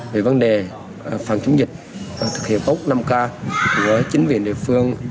về vấn đề phản chống dịch thực hiện tốt năm k của chính viện địa phương